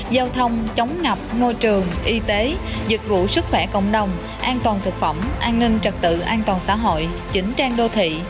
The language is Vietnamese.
giao thông chống ngập ngôi trường y tế dịch vụ sức khỏe cộng đồng an toàn thực phẩm an ninh trật tự an toàn xã hội chỉnh trang đô thị